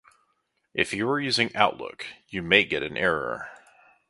If you are using Outlook you may get an error